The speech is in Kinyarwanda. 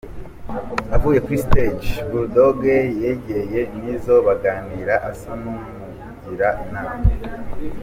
Avuye kuri stage, Bull Dogg yegeye Nizzo baganira asa n'umugira inama.